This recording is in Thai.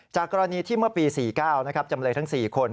กรณีที่เมื่อปี๔๙จำเลยทั้ง๔คน